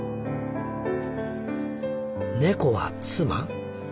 「猫は妻？